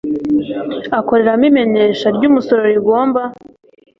akoreramo imenyesha ry umusoro rigomba